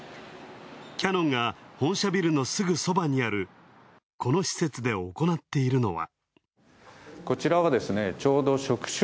キヤノンが本社ビルのすぐそばにある、この施設でおこなっているのは。